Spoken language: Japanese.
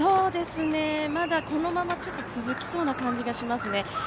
まだこのまま続きそうな感じがしますね。